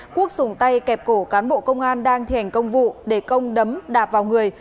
quốc dùng tay kẹp cổ cán bộ công an đang thi hành công vụ để công đấm đạp vào người